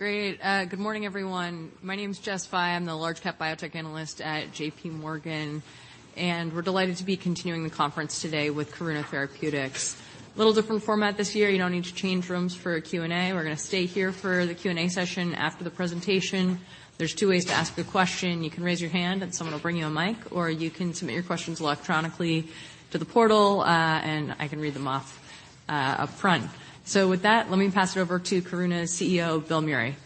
Great. good morning, everyone. My name is Jess Fye. I'm the large-cap biotech analyst at JPMorgan, and we're delighted to be continuing the conference today with Karuna Therapeutics. A little different format this year. You don't need to change rooms for Q&A. We're gonna stay here for the Q&A session after the presentation. There's two ways to ask a question. You can raise your hand and someone will bring you a mic, or you can submit your questions electronically to the portal, and I can read them off upfront. With that, let me pass it over to Karuna's CEO, Bill Meury.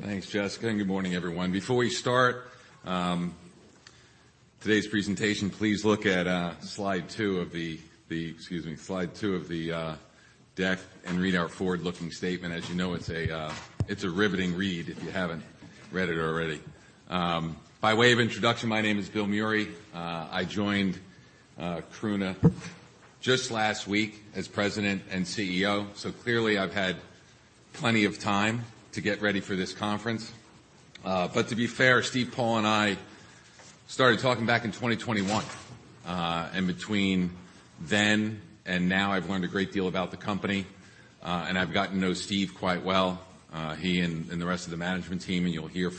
Thanks, Jess. Good morning, everyone. Before we start today's presentation, please look at slide two of the deck and read our forward-looking statement. As you know, it's a riveting read if you haven't read it already. By way of introduction, my name is Bill Meury. I joined Karuna just last week as President and CEO. Clearly I've had plenty of time to get ready for this conference. To be fair, Steve Paul and I started talking back in 2021. Between then and now, I've learned a great deal about the company, and I've gotten to know Steve quite well, he and the rest of the management team. You'll hear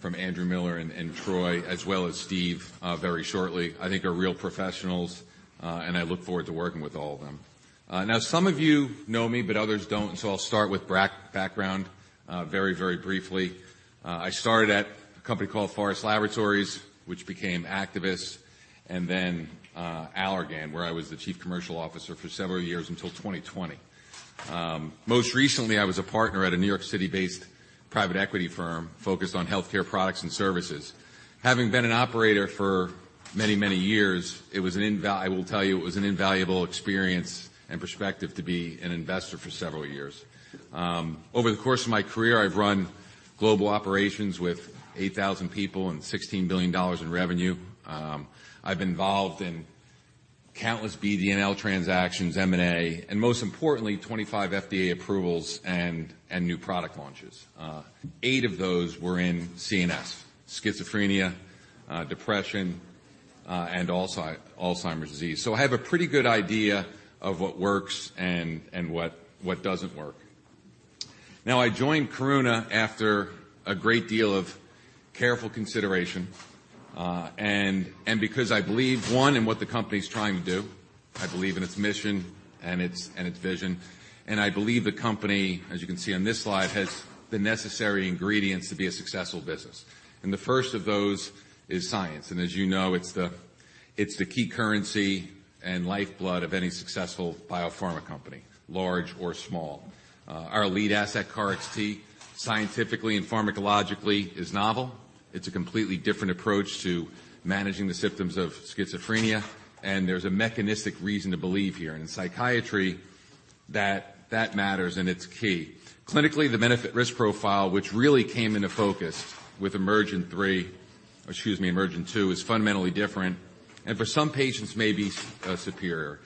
from Andrew Miller and Troy as well as Steve very shortly. I think they're real professionals, I look forward to working with all of them. Some of you know me, others don't, I'll start with background very, very briefly. I started at a company called Forest Laboratories, which became Actavis, then Allergan, where I was the chief commercial officer for several years until 2020. Most recently, I was a partner at a New York City-based private equity firm focused on healthcare products and services. Having been an operator for many, many years, I will tell you it was an invaluable experience and perspective to be an investor for several years. Over the course of my career, I've run global operations with 8,000 people and $16 billion in revenue. I've been involved in countless BD&L transactions, M&A, and most importantly, 25 FDA approvals and new product launches. Eight of those were in CNS, Schizophrenia, depression, and Alzheimer's disease. I have a pretty good idea of what works and what doesn't work. Now, I joined Karuna after a great deal of careful consideration and because I believe, one, in what the company is trying to do. I believe in its mission and its vision. I believe the company, as you can see on this slide, has the necessary ingredients to be a successful business. The first of those is science. As you know, it's the key currency and lifeblood of any successful biopharma company, large or small. Our lead asset, KarXT, scientifically and pharmacologically is novel. It's a completely different approach to managing the symptoms of Schizophrenia, and there's a mechanistic reason to believe here. In psychiatry, that matters and it's key. Clinically, the benefit risk profile, which really came into focus with EMERGENT-3, or excuse me, EMERGENT-2, is fundamentally different, and for some patients may be superior.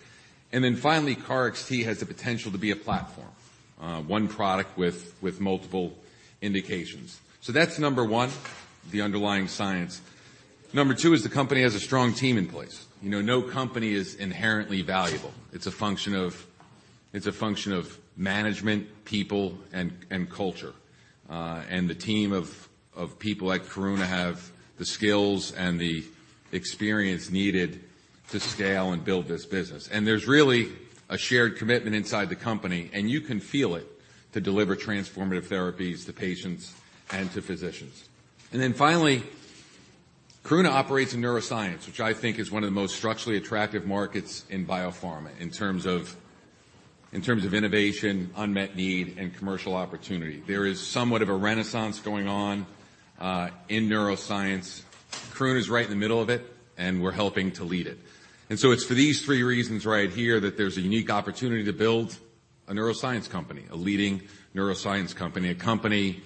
Finally, KarXT has the potential to be a platform, one product with multiple indications. That's number one, the underlying science. Number two is the company has a strong team in place. You know, no company is inherently valuable. It's a function of management, people, and culture. The team of people at Karuna have the skills and the experience needed to scale and build this business. There's really a shared commitment inside the company, and you can feel it, to deliver transformative therapies to patients and to physicians. Finally, Karuna operates in neuroscience, which I think is one of the most structurally attractive markets in biopharma in terms of innovation, unmet need, and commercial opportunity. There is somewhat of a renaissance going on in neuroscience. Karuna is right in the middle of it, and we're helping to lead it. It's for these three reasons right here that there's a unique opportunity to build a neuroscience company, a leading neuroscience company, a company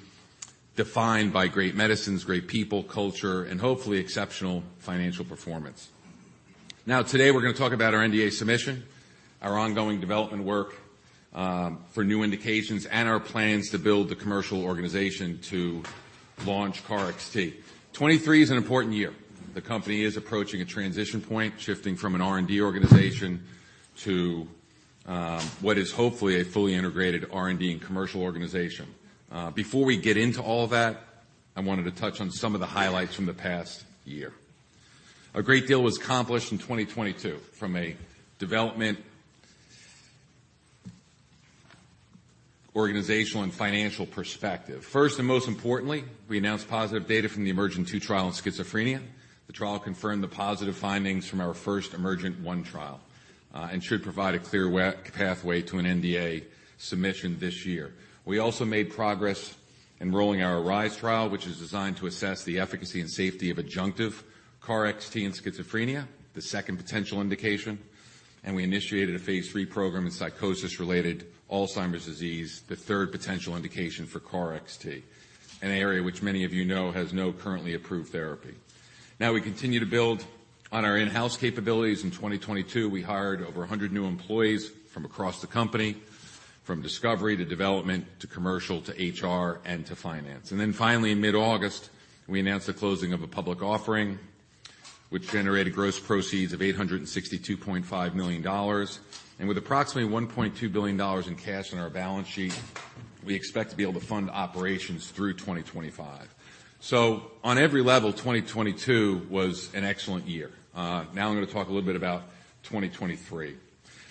defined by great medicines, great people, culture, and hopefully exceptional financial performance. Now, today, we're gonna talk about our NDA submission, our ongoing development work for new indications, and our plans to build the commercial organization to launch KarXT. 2023 is an important year. The company is approaching a transition point, shifting from an R&D organization to what is hopefully a fully integrated R&D and commercial organization. Before we get into all that, I wanted to touch on some of the highlights from the past year. A great deal was accomplished in 2022 from a development, organizational, and financial perspective. First and most importantly, we announced positive data from the EMERGENT-2 trial in Schizophrenia. The trial confirmed the positive findings from our first EMERGENT-1 trial and should provide a clear pathway to an NDA submission this year. We also made progress enrolling our ARISE trial, which is designed to assess the efficacy and safety of adjunctive KarXT in Schizophrenia, the second potential indication. We initiated a phase III program in psychosis-related Alzheimer's disease, the third potential indication for KarXT, an area which many of you know has no currently approved therapy. We continue to build on our in-house capabilities. In 2022, we hired over 100 new employees from across the company, from discovery to development to commercial to HR and to finance. Finally, in mid-August, we announced the closing of a public offering, which generated gross proceeds of $862.5 million. With approximately $1.2 billion in cash on our balance sheet, we expect to be able to fund operations through 2025. On every level, 2022 was an excellent year. Now I'm gonna talk a little bit about 2023.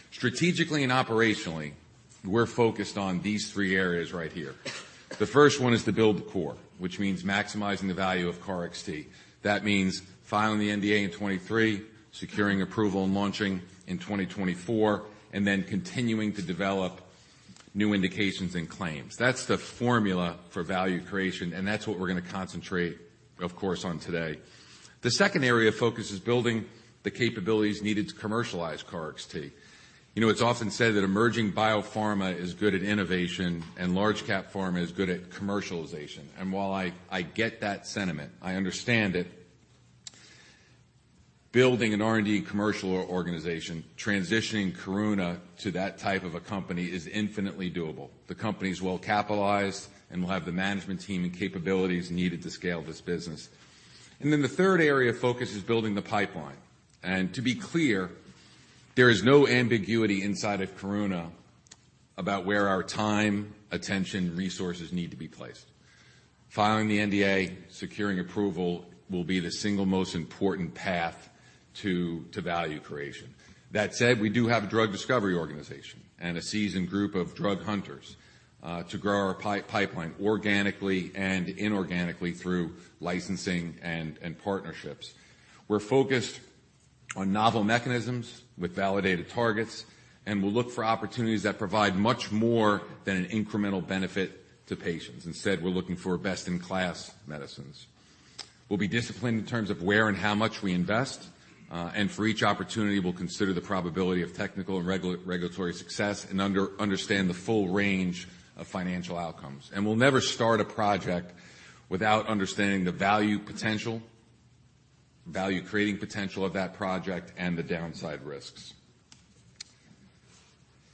Strategically and operationally, we're focused on these three areas right here. The first one is to build the core, which means maximizing the value of KarXT. That means filing the NDA in 2023, securing approval and launching in 2024, and then continuing to develop new indications and claims. That's the formula for value creation, and that's what we're gonna concentrate, of course, on today. The second area of focus is building the capabilities needed to commercialize KarXT. You know, it's often said that emerging biopharma is good at innovation and large cap pharma is good at commercialization. While I get that sentiment, I understand it. Building an R&D commercial organization, transitioning Karuna to that type of a company is infinitely doable. The company is well-capitalized and will have the management team and capabilities needed to scale this business. The third area of focus is building the pipeline. To be clear, there is no ambiguity inside of Karuna about where our time, attention, resources need to be placed. Filing the NDA, securing approval will be the single most important path to value creation. That said, we do have a drug discovery organization and a seasoned group of drug hunters to grow our pipeline organically and inorganically through licensing and partnerships. We're focused on novel mechanisms with validated targets, and we'll look for opportunities that provide much more than an incremental benefit to patients. Instead, we're looking for best in class medicines. We'll be disciplined in terms of where and how much we invest. For each opportunity, we'll consider the probability of technical and regulatory success and understand the full range of financial outcomes. We'll never start a project without understanding the value creating potential of that project and the downside risks.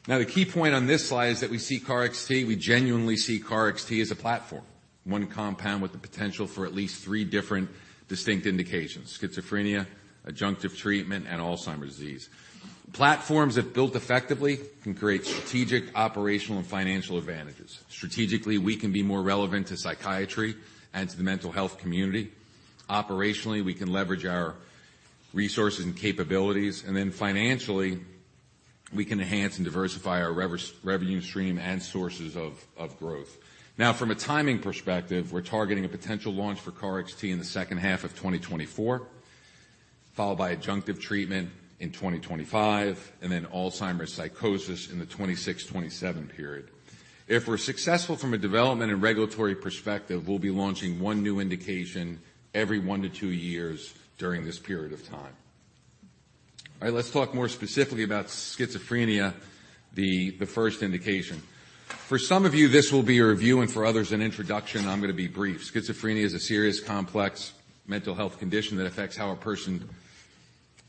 Now, the key point on this slide is that we see KarXT, we genuinely see KarXT as a platform. One compound with the potential for at least three different distinct indications: Schizophrenia, adjunctive treatment, and Alzheimer's disease. Platforms, if built effectively, can create strategic, operational, and financial advantages. Strategically, we can be more relevant to psychiatry and to the mental health community. Operationally, we can leverage our resources and capabilities. Financially, we can enhance and diversify our revenue stream and sources of growth. From a timing perspective, we're targeting a potential launch for KarXT in the second half of 2024, followed by adjunctive treatment in 2025, and then Alzheimer's psychosis in the 2026, 2027 period. If we're successful from a development and regulatory perspective, we'll be launching one new indication every 1-2 years during this period of time. Let's talk more specifically about Schizophrenia, the first indication. For some of you, this will be a review and for others an introduction. I'm gonna be brief, Schizophrenia is a serious, complex mental health condition that affects how a person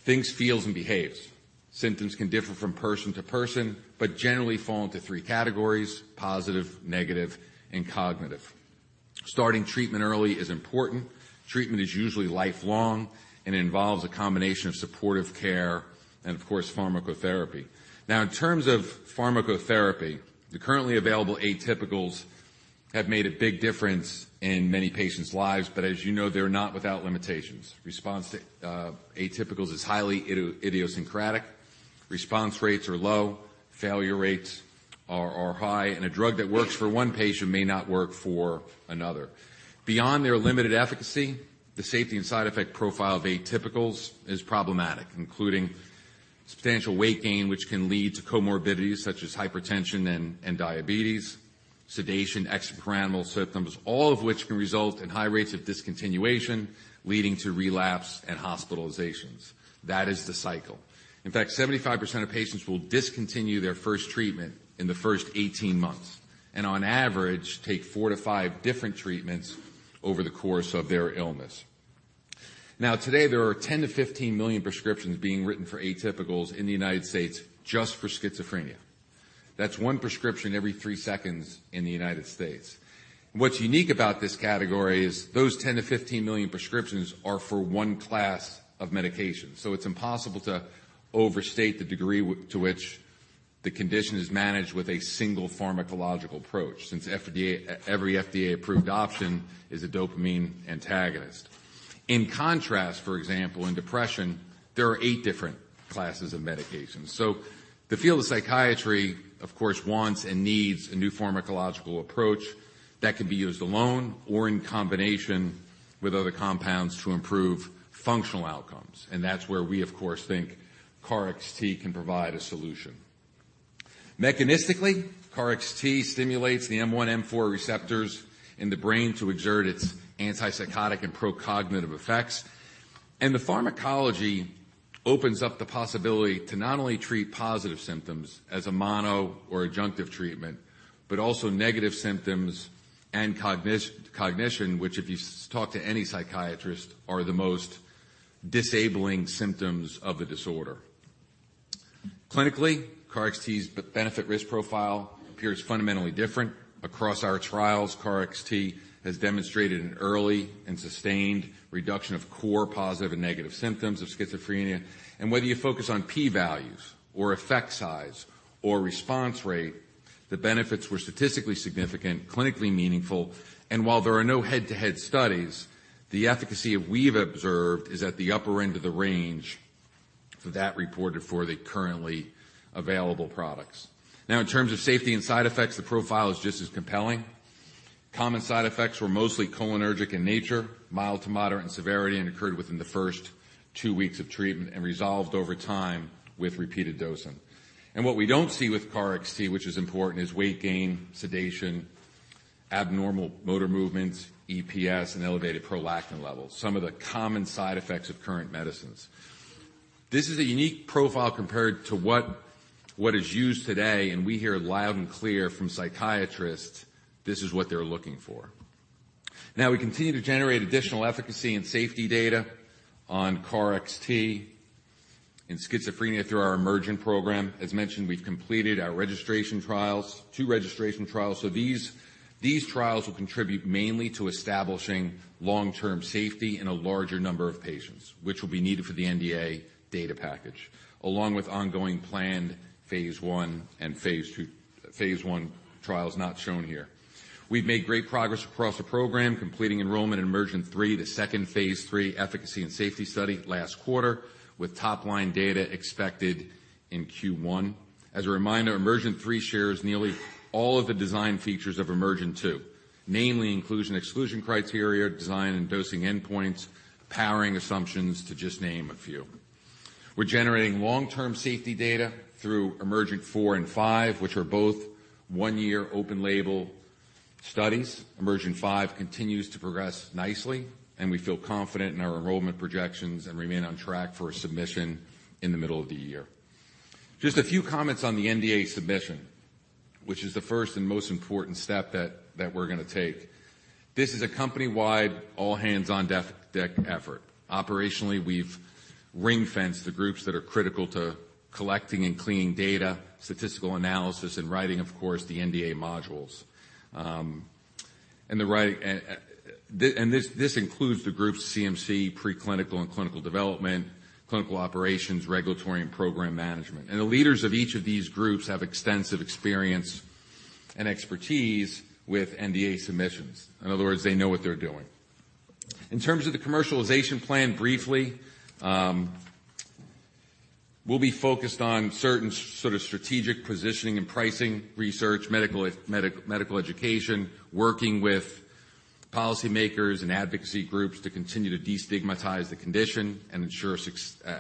thinks, feels, and behaves. Symptoms can differ from person to person, but generally fall into three categories: positive, negative, and cognitive. Starting treatment early is important. Treatment is usually lifelong and involves a combination of supportive care and, of course, pharmacotherapy. Now, in terms of pharmacotherapy, the currently available atypicals have made a big difference in many patients' lives, but as you know, they're not without limitations. Response to atypicals is highly idiosyncratic. Response rates are low, failure rates are high, and a drug that works for one patient may not work for another. Beyond their limited efficacy, the safety and side effect profile of atypicals is problematic, including substantial weight gain, which can lead to comorbidities such as hypertension and diabetes, sedation, extrapyramidal symptoms, all of which can result in high rates of discontinuation, leading to relapse and hospitalizations. That is the cycle. In fact, 75% of patients will discontinue their first treatment in the first 18 months, and on average, take four to five different treatments over the course of their illness. Today, there are 10 million-15 million prescriptions being written for atypicals in the United States just for Schizophrenia. That's one prescription every three seconds in the United States. What's unique about this category is those 10 million-15 million prescriptions are for one class of medication. It's impossible to overstate the degree to which the condition is managed with a single pharmacological approach since every FDA approved option is a dopamine antagonist. In contrast, for example, in depression, there are eight different classes of medications. The field of psychiatry, of course, wants and needs a new pharmacological approach that can be used alone or in combination with other compounds to improve functional outcomes. That's where we, of course, think KarXT can provide a solution. Mechanistically, KarXT stimulates the M1M4 receptors in the brain to exert its antipsychotic and pro-cognitive effects. The pharmacology opens up the possibility to not only treat positive symptoms as a mono or adjunctive treatment, but also negative symptoms and cognition, which if you talk to any psychiatrist, are the most disabling symptoms of the disorder. Clinically, KarXT's benefit risk profile appears fundamentally different. Across our trials, KarXT has demonstrated an early and sustained reduction of core positive and negative symptoms of Schizophrenia. Whether you focus on P values or effect size or response rate, the benefits were statistically significant, clinically meaningful, and while there are no head-to-head studies, the efficacy we've observed is at the upper end of the range that reported for the currently available products. Now in terms of safety and side effects, the profile is just as compelling. Common side effects were mostly cholinergic in nature, mild to moderate in severity, and occurred within the first two weeks of treatment, and resolved over time with repeated dosing. What we don't see with KarXT, which is important, is weight gain, sedation, abnormal motor movements, EPS, and elevated prolactin levels, some of the common side effects of current medicines. This is a unique profile compared to what is used today. We hear loud and clear from psychiatrists, this is what they're looking for. We continue to generate additional efficacy and safety data on KarXT in Schizophrenia through our EMERGENT program. As mentioned, we've completed our registration trials, two registration trials. These trials will contribute mainly to establishing long-term safety in a larger number of patients, which will be needed for the NDA data package, along with ongoing planned phase I and phase II... phase IIItrials not shown here. We've made great progress across the program, completing enrollment in EMERGENT-3, the second phase III efficacy and safety study last quarter, with top-line data expected in Q1. As a reminder, EMERGENT-3 shares nearly all of the design features of EMERGENT-2, namely inclusion/exclusion criteria, design and dosing endpoints, powering assumptions, to just name a few. We're generating long-term safety data through EMERGENT-4 and EMERGENT-5, which are both one year open-label studies. EMERGENT-5 continues to progress nicely, we feel confident in our enrollment projections and remain on track for submission in the middle of the year. Just a few comments on the NDA submission, which is the first and most important step that we're gonna take. This is a company-wide all hands on deck effort. Operationally, we've ring-fenced the groups that are critical to collecting and cleaning data, statistical analysis, and writing, of course, the NDA modules. This includes the groups CMC, Preclinical and Clinical Development, Clinical Operations, Regulatory and Program Management. The leaders of each of these groups have extensive experience and expertise with NDA submissions. In other words, they know what they're doing. In terms of the commercialization plan, briefly, we'll be focused on certain sort of strategic positioning and pricing research, medical education, working with policymakers and advocacy groups to continue to destigmatize the condition and ensure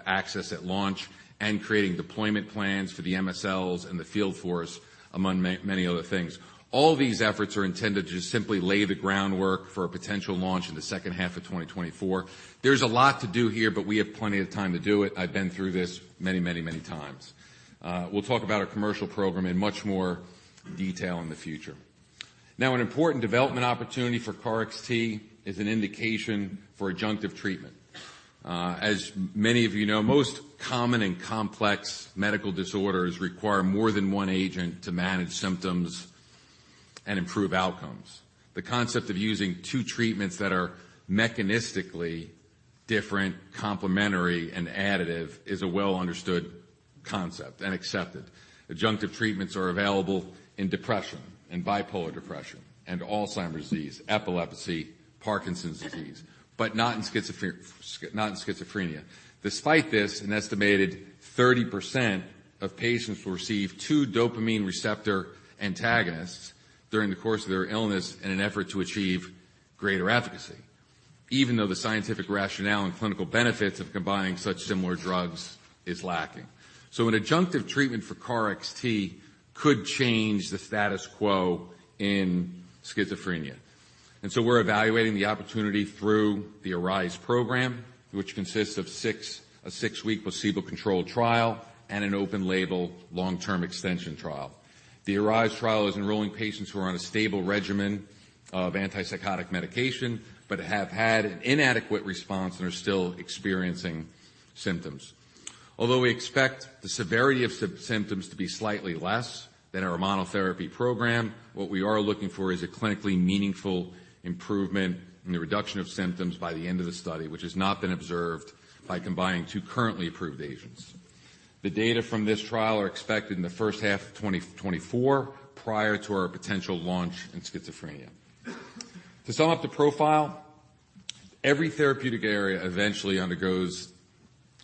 access at launch, and creating deployment plans for the MSLs and the field force, among many other things. All these efforts are intended to just simply lay the groundwork for a potential launch in the second half of 2024. There's a lot to do here, but we have plenty of time to do it. I've been through this many, many, many times. We'll talk about our commercial program in much more detail in the future. Now, an important development opportunity for KarXT is an indication for adjunctive treatment. As many of you know, most common and complex medical disorders require more than one agent to manage symptoms and improve outcomes. The concept of using two treatments that are mechanistically different, complementary, and additive is a well understood concept and accepted. Adjunctive treatments are available in depression, and Bipolar depression, and Alzheimer's disease, Epilepsy, Parkinson's disease, but not in Schizophrenia. Despite this, an estimated 30% of patients will receive two dopamine receptor antagonists during the course of their illness in an effort to achieve greater efficacy, even though the scientific rationale and clinical benefits of combining such similar drugs is lacking. An adjunctive treatment for KarXT could change the status quo in Schizophrenia. We're evaluating the opportunity through the ARISE program, which consists of a six week placebo-controlled trial and an open label long-term extension trial. The ARISE trial is enrolling patients who are on a stable regimen of antipsychotic medication, but have had an inadequate response and are still experiencing symptoms. Although we expect the severity of symptoms to be slightly less than our monotherapy program, what we are looking for is a clinically meaningful improvement in the reduction of symptoms by the end of the study, which has not been observed by combining two currently approved agents. The data from this trial are expected in the first half of 2024, prior to our potential launch in Schizophrenia. To sum up the profile, every therapeutic area eventually undergoes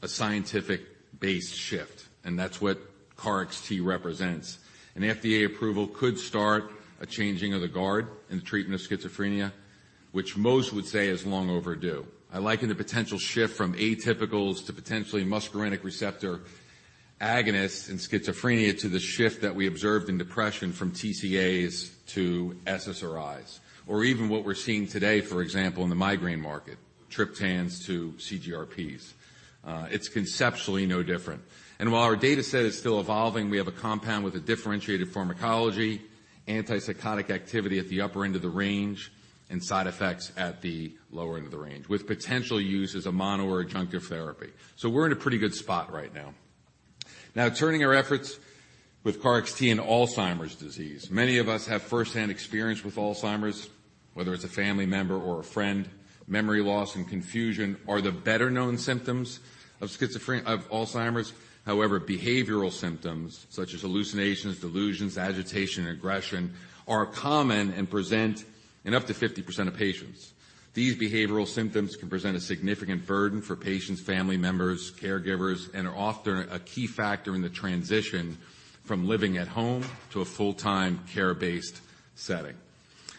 a scientific base shift, and that's what KarXT represents. An FDA approval could start a changing of the guard in the treatment of Schizophrenia, which most would say is long overdue. I liken the potential shift from atypicals to potentially muscarinic receptor agonists in schizophrenia to the shift that we observed in depression from TCAs to SSRIs. Even what we're seeing today, for example, in the migraine market, triptans to CGRPs. It's conceptually no different. While our data set is still evolving, we have a compound with a differentiated pharmacology. Antipsychotic activity at the upper end of the range and side effects at the lower end of the range, with potential use as a mono or adjunctive therapy. We're in a pretty good spot right now. Turning our efforts with KarXT and Alzheimer's disease. Many of us have first-hand experience with Alzheimer's, whether it's a family member or a friend. Memory loss and confusion are the better-known symptoms of Alzheimer's. Behavioral symptoms such as hallucinations, delusions, agitation, aggression, are common and present in up to 50% of patients. These behavioral symptoms can present a significant burden for patients, family members, caregivers, are often a key factor in the transition from living at home to a full-time care-based setting.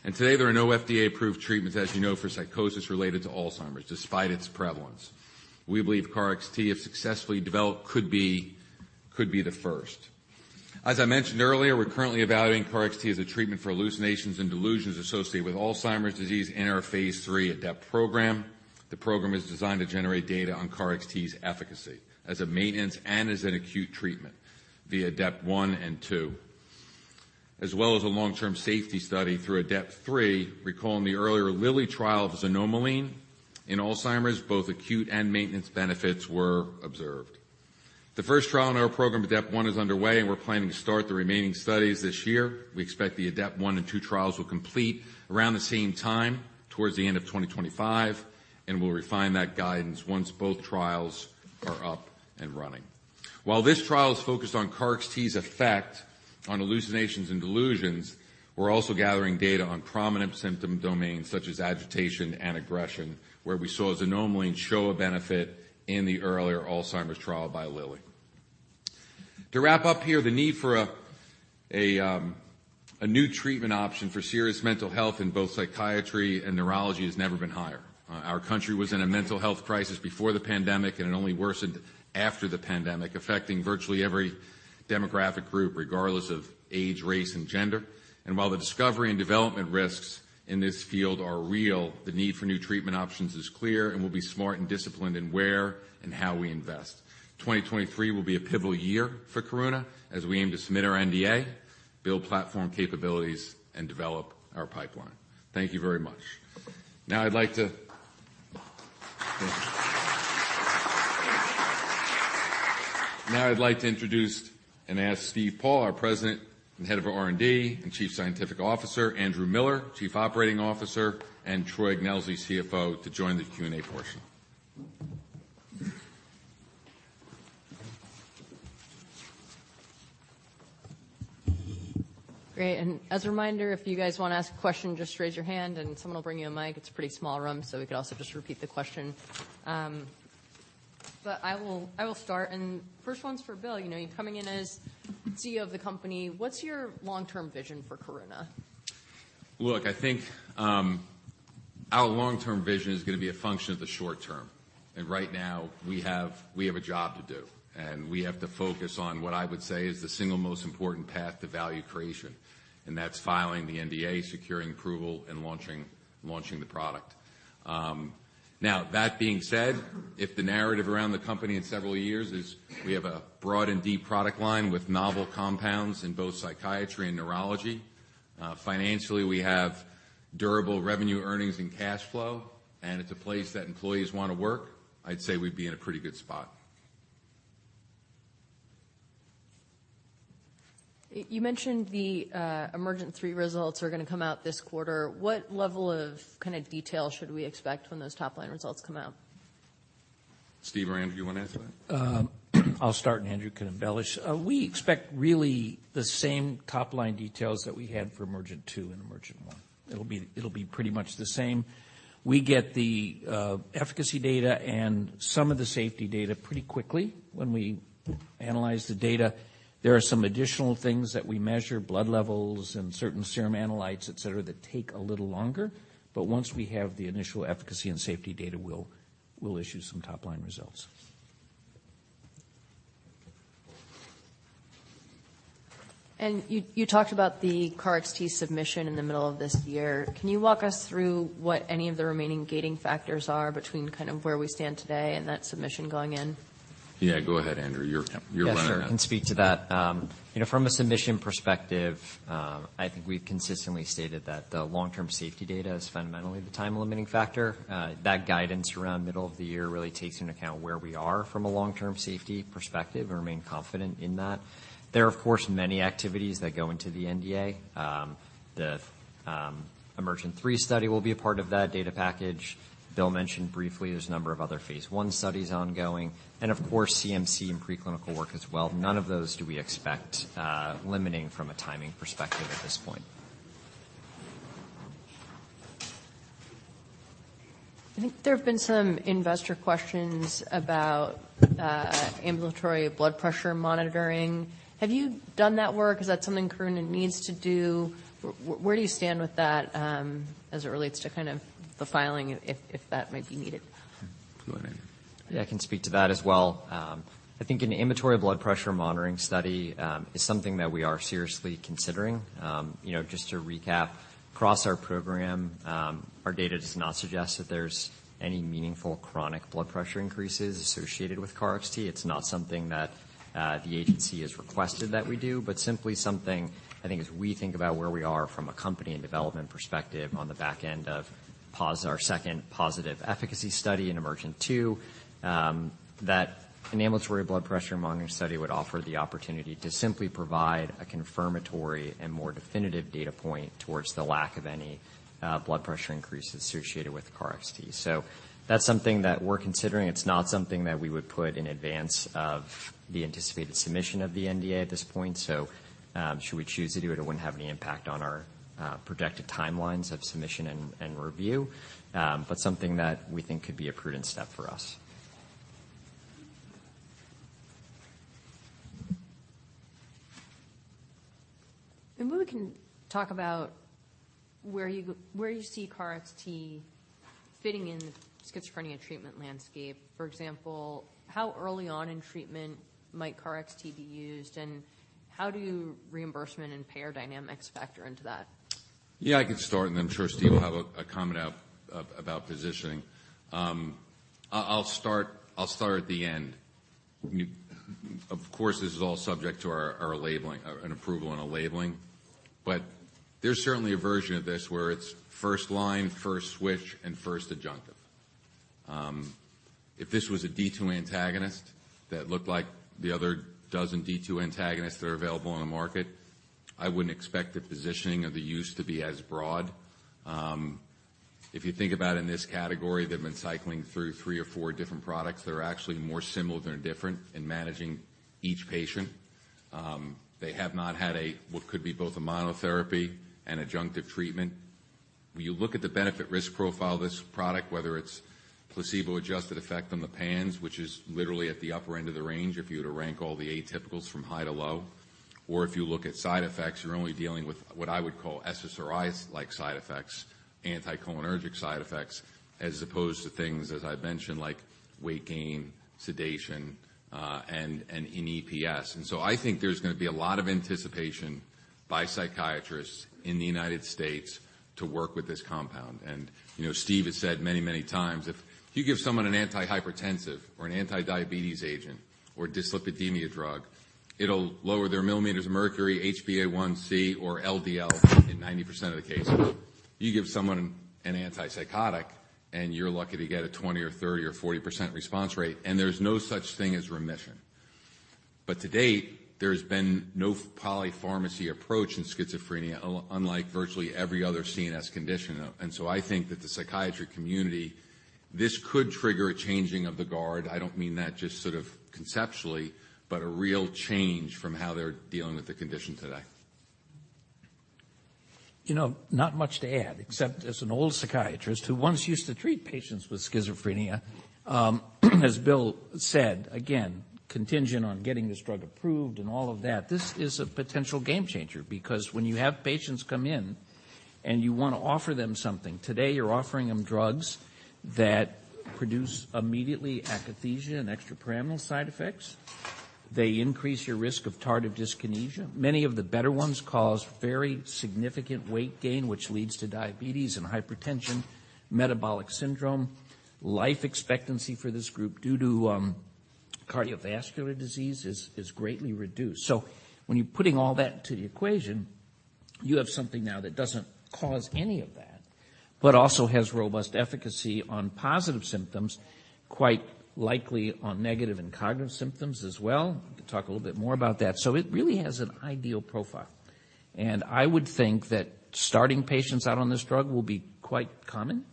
Today, there are no FDA-approved treatments, as you know, for psychosis related to Alzheimer's, despite its prevalence. We believe KarXT, if successfully developed could be the first. As I mentioned earlier, we're currently evaluating KarXT as a treatment for hallucinations and delusions associated with Alzheimer's disease in our Phase III ADEPT program. The program is designed to generate data on KarXT's efficacy as a maintenance and as an acute treatment via ADEPT-1 and 2, as well as a long-term safety study through ADEPT-3. Recalling the earlier Lilly trial of xanomeline in Alzheimer's, both acute and maintenance benefits were observed. The first trial in our program, ADEPT-1, is underway, and we're planning to start the remaining studies this year. We expect the ADEPT-1 and ADEPT-2 trials will complete around the same time towards the end of 2025, and we'll refine that guidance once both trials are up and running. While this trial is focused on KarXT's effect on hallucinations and delusions, we're also gathering data on prominent symptom domains such as agitation and aggression, where we saw xanomeline show a benefit in the earlier Alzheimer's trial by Lilly. To wrap up here, the need for a new treatment option for serious mental health in both psychiatry and neurology has never been higher. Our country was in a mental health crisis before the pandemic, and it only worsened after the pandemic, affecting virtually every demographic group, regardless of age, race, and gender. While the discovery and development risks in this field are real, the need for new treatment options is clear, and we'll be smart and disciplined in where and how we invest. 2023 will be a pivotal year for Karuna as we aim to submit our NDA, build platform capabilities, and develop our pipeline. Thank you very much. Thank you. I'd like to introduce and ask Steve Paul, our President and Head of R&D and Chief Scientific Officer, Andrew Miller, Chief Operating Officer, and Troy Ignelzi, CFO, to join the Q&A portion. Great. As a reminder, if you guys wanna ask a question, just raise your hand and someone will bring you a mic. It's a pretty small room, so we could also just repeat the question. I will start. First one's for Bill. You know, you're coming in as CEO of the company, what's your long-term vision for Karuna? Look, I think, our long-term vision is gonna be a function of the short term. Right now we have a job to do, and we have to focus on what I would say is the single most important path to value creation, and that's filing the NDA, securing approval, and launching the product. That being said, if the narrative around the company in several years is we have a broad and deep product line with novel compounds in both psychiatry and neurology, financially, we have durable revenue, earnings, and cash flow, and it's a place that employees wanna work, I'd say we'd be in a pretty good spot. You mentioned the EMERGENT-3 results are gonna come out this quarter. What level of kinda detail should we expect when those top-line results come out? Steve or Andrew, you wanna answer that? I'll start, and Andrew can embellish. We expect really the same top-line details that we had for EMERGENT-2 and EMERGENT-1. It'll be pretty much the same. We get the efficacy data and some of the safety data pretty quickly when we analyze the data. There are some additional things that we measure, blood levels and certain serum analytes, et cetera, that take a little longer. Once we have the initial efficacy and safety data, we'll issue some top-line results. You talked about the KarXT submission in the middle of this year. Can you walk us through what any of the remaining gating factors are between kind of where we stand today and that submission going in? Yeah. Go ahead, Andrew. You're running that. Yes, sir. I can speak to that. You know, from a submission perspective, I think we've consistently stated that the long-term safety data is fundamentally the time-limiting factor. That guidance around middle of the year really takes into account where we are from a long-term safety perspective. I remain confident in that. There are, of course, many activities that go into the NDA. The Emergent-3 study will be a part of that data package. Bill mentioned briefly there's a number of other phase I studies ongoing and, of course, CMC and preclinical work as well. None of those do we expect limiting from a timing perspective at this point. I think there have been some investor questions about, ambulatory blood pressure monitoring. Have you done that work? Is that something Karuna needs to do? Where do you stand with that, as it relates to kind of the filing if that might be needed? Go ahead, Andrew. Yeah, I can speak to that as well. I think an ambulatory blood pressure monitoring study is something that we are seriously considering. You know, just to recap, across our program, our data does not suggest that there's any meaningful chronic blood pressure increases associated with KarXT. It's not something that the agency has requested that we do, but simply something, I think, as we think about where we are from a company and development perspective on the back end of our second positive efficacy study in EMERGENT-2, that an ambulatory blood pressure monitoring study would offer the opportunity to simply provide a confirmatory and more definitive data point towards the lack of any blood pressure increases associated with KarXT. That's something that we're considering. It's not something that we would put in advance of the anticipated submission of the NDA at this point. Should we choose to do it wouldn't have any impact on our projected timelines of submission and review, but something that we think could be a prudent step for us. Maybe we can talk about where you see KarXT fitting in the schizophrenia treatment landscape. For example, how early on in treatment might KarXT be used, and how do reimbursement and payer dynamics factor into that? Yeah, I can start, then I'm sure Steve will have a comment about positioning. I'll start at the end. Of course, this is all subject to our labeling, or an approval on a labeling. There's certainly a version of this where it's first line, first switch, and first adjunctive. If this was a D2 antagonist that looked like the other dozen D2 antagonists that are available on the market, I wouldn't expect the positioning of the use to be as broad. If you think about in this category, they've been cycling through three or four different products that are actually more similar than different in managing each patient. They have not had a what could be both a monotherapy and adjunctive treatment. When you look at the benefit risk profile of this product, whether it's placebo-adjusted effect on the PANSS, which is literally at the upper end of the range if you were to rank all the atypicals from high to low. If you look at side effects, you're only dealing with what I would call SSRIs-like side effects, anticholinergic side effects, as opposed to things, as I've mentioned, like weight gain, sedation, and in EPS. I think there's gonna be a lot of anticipation by psychiatrists in the United States to work with this compound. You know, Steve has said many, many times, if you give someone an antihypertensive or an anti-diabetes agent or dyslipidemia drug, it'll lower their millimeters of mercury, HbA1c, or LDL in 90% of the cases. You give someone an antipsychotic, and you're lucky to get a 20% or 30% or 40% response rate, and there's no such thing as remission. To date, there's been no polypharmacy approach in Schizophrenia, unlike virtually every other CNS condition. I think that the psychiatry community, this could trigger a changing of the guard. I don't mean that just sort of conceptually, but a real change from how they're dealing with the condition today. You know, not much to add, except as an old psychiatrist who once used to treat patients with Schizophrenia, as Bill said, again, contingent on getting this drug approved and all of that, this is a potential game changer because when you have patients come in and you wanna offer them something. Today, you're offering them drugs that produce immediately akathisia and extrapyramidal side effects. They increase your risk of tardive dyskinesia. Many of the better ones cause very significant weight gain, which leads to diabetes and hypertension, metabolic syndrome. Life expectancy for this group due to cardiovascular disease is greatly reduced. When you're putting all that into the equation, you have something now that doesn't cause any of that, but also has robust efficacy on positive symptoms, quite likely on negative and cognitive symptoms as well. We can talk a little bit more about that. It really has an ideal profile. I would think that starting patients out on this drug will be quite common.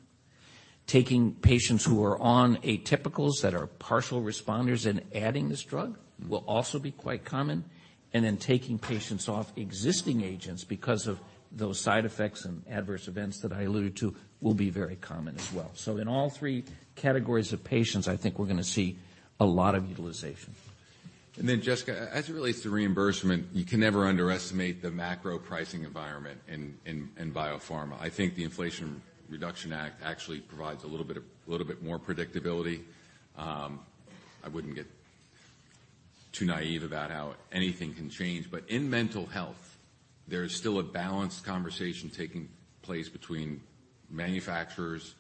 Taking patients who are on atypicals that are partial responders and adding this drug will also be quite common. Then taking patients off existing agents because of those side effects and adverse events that I alluded to will be very common as well. In all three categories of patients, I think we're gonna see a lot of utilization. Jessica, as it relates to reimbursement, you can never underestimate the macro pricing environment in biopharma. I think the Inflation Reduction Act actually provides a little bit more predictability. I wouldn't get too naive about how anything can change. In mental health, there is still a balanced conversation taking place between manufacturers,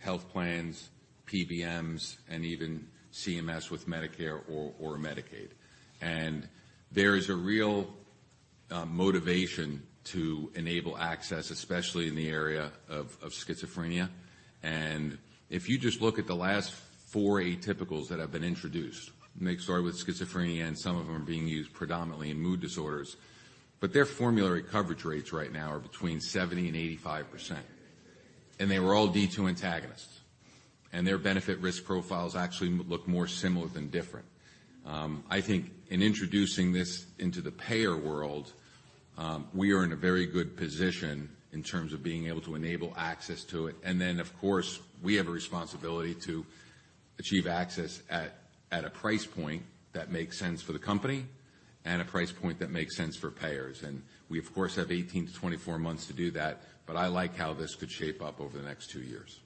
health plans, PBMs, and even CMS with Medicare or Medicaid. There is a real motivation to enable access, especially in the area of Schizophrenia. If you just look at the last four atypicals that have been introduced, and they started with Schizophrenia, and some of them are being used predominantly in mood disorders, but their formulary coverage rates right now are between 70% and 85%. They were all D2 antagonists. Their benefit risk profiles actually look more similar than different. I think in introducing this into the payer world, we are in a very good position in terms of being able to enable access to it. Of course, we have a responsibility to achieve access at a price point that makes sense for the company and a price point that makes sense for payers. We, of course, have 18-24 months to do that, but I like how this could shape up over the next two years.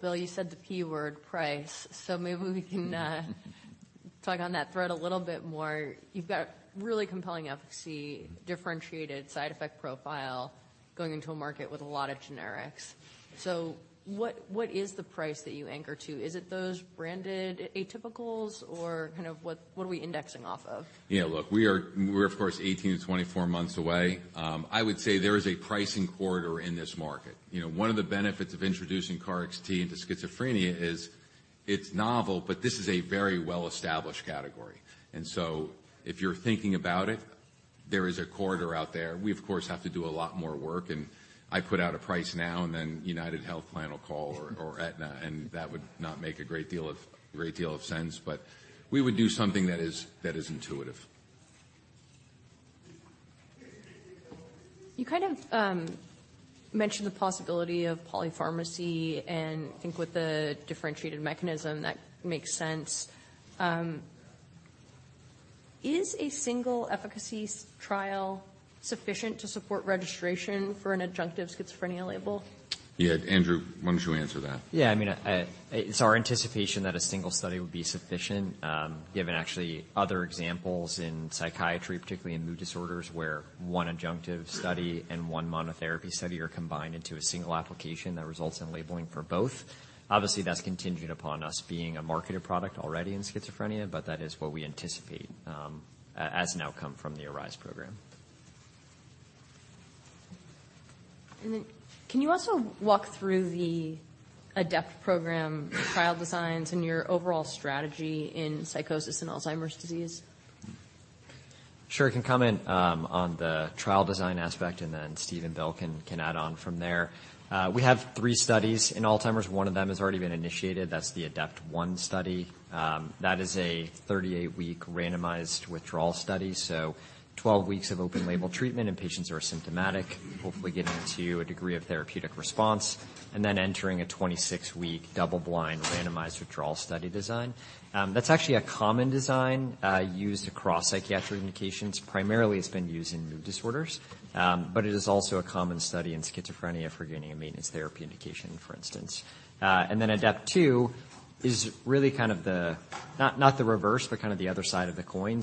Bill, you said the P word, price. Maybe we can talk on that thread a little bit more. You've got really compelling efficacy, differentiated side effect profile going into a market with a lot of generics. What is the price that you anchor to? Is it those branded atypicals or kind of what are we indexing off of? Yeah, look, we're of course 18-24 months away. I would say there is a pricing corridor in this market. You know, one of the benefits of introducing KarXT into Schizophrenia is it's novel, but this is a very well-established category. If you're thinking about it, there is a corridor out there. We of course have to do a lot more work, and I put out a price now and then UnitedHealth plan will call or Aetna, and that would not make a great deal of sense. We would do something that is intuitive. You kind of, mentioned the possibility of polypharmacy, and I think with the differentiated mechanism, that makes sense. Is a single efficacy trial sufficient to support registration for an adjunctive Schizophrenia label? Yeah, Andrew, why don't you answer that? I mean, it's our anticipation that a single study would be sufficient. given actually other examples in psychiatry, particularly in mood disorders, where one adjunctive study and one monotherapy study are combined into a single application that results in labeling for both. Obviously, that's contingent upon us being a marketed product already in Schizophrenia, but that is what we anticipate, as an outcome from the ARISE program. Can you also walk through the ADEPT program trial designs and your overall strategy in psychosis and Alzheimer's disease? Sure. I can comment on the trial design aspect. Steve and Bill can add on from there. We have three studies in Alzheimer's. One of them has already been initiated. That's the ADEPT-1 study. That is a 38-week randomized withdrawal study, 12 weeks of open label treatment and patients are asymptomatic, hopefully getting to a degree of therapeutic response, and then entering a 26-week double-blind randomized withdrawal study design. That's actually a common design used across psychiatric indications. Primarily, it's been used in mood disorders, it is also a common study in Schizophrenia for getting a maintenance therapy indication, for instance. ADEPT-2 is really kind of the not the reverse, but kind of the other side of the coin.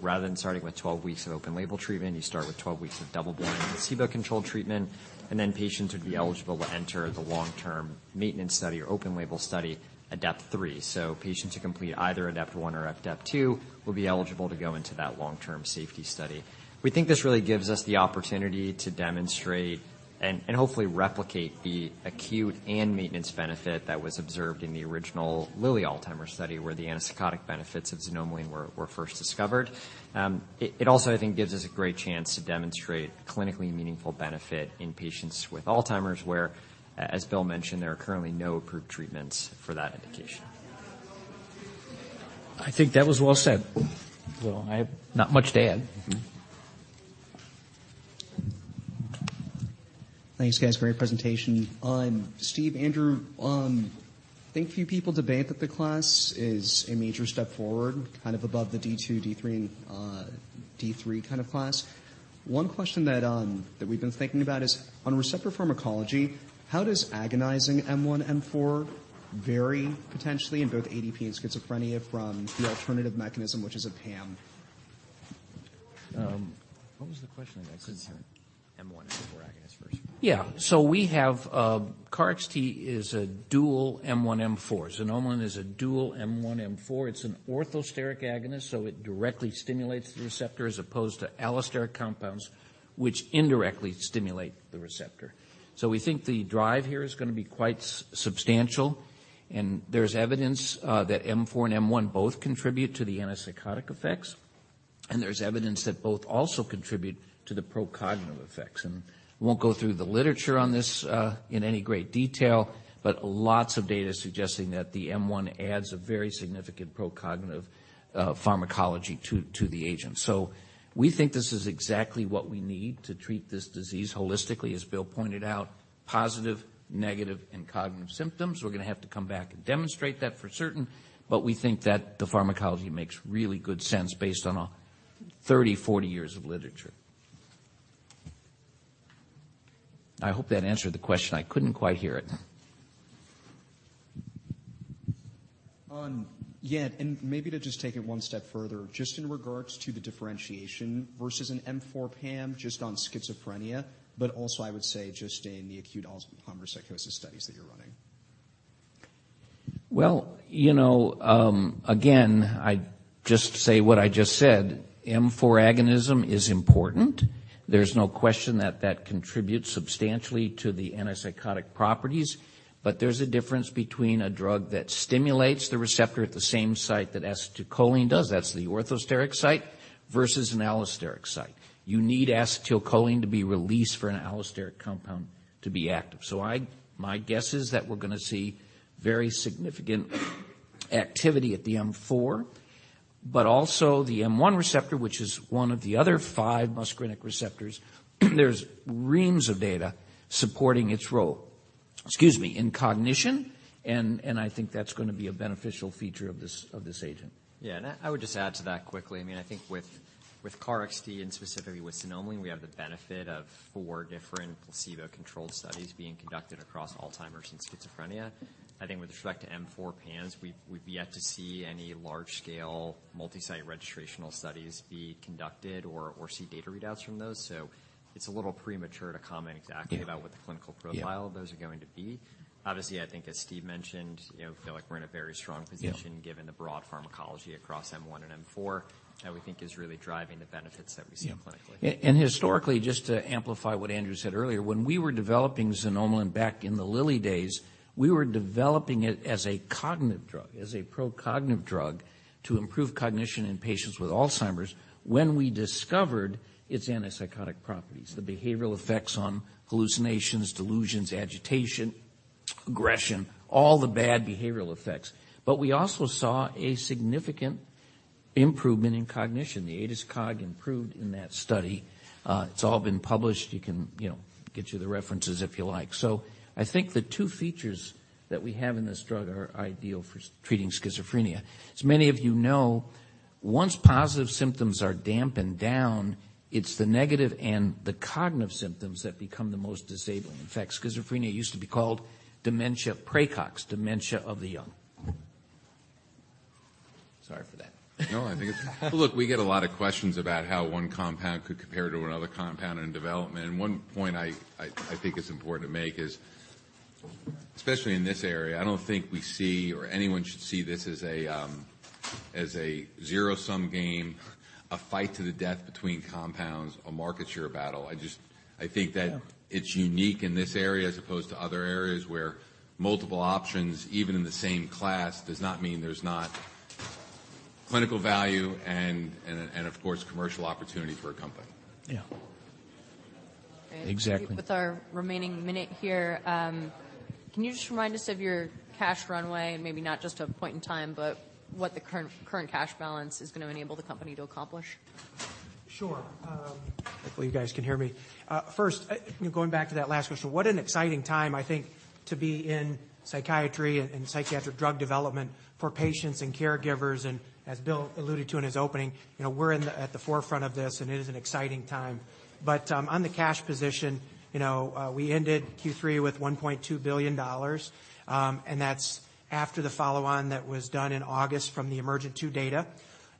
Rather than starting with 12 weeks of open label treatment, you start with 12 weeks of double-blind placebo-controlled treatment, and then patients would be eligible to enter the long-term maintenance study or open label study, ADEPT-3. Patients who complete either ADEPT-1 or ADEPT-2 will be eligible to go into that long-term safety study. We think this really gives us the opportunity to demonstrate and hopefully replicate the acute and maintenance benefit that was observed in the original Lilly Alzheimer's study, where the antipsychotic benefits of xanomeline were first discovered. It also, I think, gives us a great chance to demonstrate clinically meaningful benefit in patients with Alzheimer's, where, as Bill mentioned, there are currently no approved treatments for that indication. I think that was well said. Well, I have not much to add. Mm-hmm. Thanks, guys. Great presentation. Steve, Andrew, I think a few people debate that the class is a major step forward, kind of above the D2, D3, and D3 kind of class. One question that we've been thinking about is on receptor pharmacology, how does agonizing M1, M4 vary potentially in both ADP and Schizophrenia from the alternative mechanism, which is a PAM? What was the question again? M1, M4 agonist versus- Yeah. We have KarXT is a dual M1, M4. xanomeline is a dual M1, M4. It's an orthosteric agonist, so it directly stimulates the receptor as opposed to allosteric compounds, which indirectly stimulate the receptor. We think the drive here is gonna be quite substantial, and there's evidence that M4 and M1 both contribute to the antipsychotic effects. There's evidence that both also contribute to the pro-cognitive effects. I won't go through the literature on this in any great detail, but lots of data suggesting that the M1 adds a very significant pro-cognitive pharmacology to the agent. We think this is exactly what we need to treat this disease holistically, as Bill pointed out, positive, negative, and cognitive symptoms. We're gonna have to come back and demonstrate that for certain, but we think that the pharmacology makes really good sense based on 30, 40 years of literature. I hope that answered the question. I couldn't quite hear it. Yeah, maybe to just take it one step further, just in regards to the differentiation versus an M4 PAM, just on Schizophrenia, but also I would say just in the acute Alzheimer's psychosis studies that you're running. Well, you know, again, I'd just say what I just said. M4 agonism is important. There's no question that contributes substantially to the antipsychotic properties. There's a difference between a drug that stimulates the receptor at the same site that acetylcholine does, that's the orthosteric site, versus an allosteric site. You need acetylcholine to be released for an allosteric compound to be active. My guess is that we're gonna see very significant activity at the M4, but also the M1 receptor, which is one of the other five muscarinic receptors. There's reams of data supporting its role, excuse me, in cognition, and I think that's gonna be a beneficial feature of this, of this agent. I would just add to that quickly. I mean, I think with KarXT and specifically with xanomeline, we have the benefit of four different placebo-controlled studies being conducted across Alzheimer's and Schizophrenia. I think with respect to M4 PAMs, we've yet to see any large scale multi-site registrational studies be conducted or see data readouts from those. It's a little premature to comment exactly about what the clinical profile of those are going to be. Obviously, I think as Steve mentioned, you know, feel like we're in a very strong position. Yeah. given the broad pharmacology across M1 and M4 that we think is really driving the benefits that we see clinically. Yeah. Historically, just to amplify what Andrew said earlier, when we were developing xanomeline back in the Lilly days, we were developing it as a cognitive drug, as a pro-cognitive drug to improve cognition in patients with Alzheimer's when we discovered its antipsychotic properties, the behavioral effects on hallucinations, delusions, agitation, aggression, all the bad behavioral effects. We also saw a significant improvement in cognition. The ADAS-Cog improved in that study. It's all been published. You can, you know, get you the references if you like. I think the two features that we have in this drug are ideal for treating Schizophrenia. As many of you know, once positive symptoms are dampened down, it's the negative and the cognitive symptoms that become the most disabling. In fact, Schizophrenia used to be called dementia praecox, dementia of the young. Sorry for that. Look, we get a lot of questions about how one compound could compare to another compound in development, and one point I think is important to make is, especially in this area, I don't think we see or anyone should see this as a zero-sum game, a fight to the death between compounds or market share battle. I just think that it's unique in this area as opposed to other areas where multiple options, even in the same class, does not mean there's not clinical value and of course, commercial opportunity for a company. Yeah. Exactly. With our remaining minute here, can you just remind us of your cash runway and maybe not just a point in time, but what the current cash balance is gonna enable the company to accomplish? Sure. Hopefully you guys can hear me. First, you know, going back to that last question, what an exciting time, I think, to be in psychiatry and psychiatric drug development for patients and caregivers. As Bill alluded to in his opening, you know, we're at the forefront of this, it is an exciting time. On the cash position, you know, we ended Q3 with $1.2 billion, and that's after the follow-on that was done in August from the EMERGENT-2 data.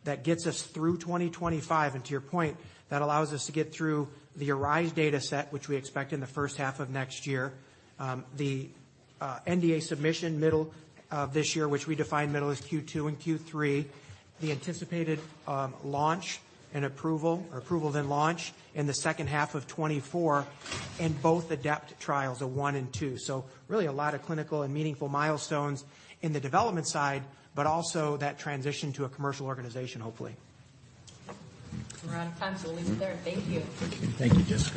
That gets us through 2025, and to your point, that allows us to get through the ARISE dataset, which we expect in the first half of next year, the NDA submission middle of this year, which we define middle as Q2 and Q3, the anticipated launch and approval or approval then launch in the second half of 2024 in both ADEPT trials, the one and two. Really a lot of clinical and meaningful milestones in the development side, but also that transition to a commercial organization, hopefully. We're out of time. We'll leave it there. Thank you. Thank you. Thank you. Yes.